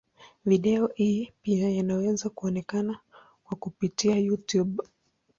Video hii pia yaweza kuonekana kwa kupitia Youtube.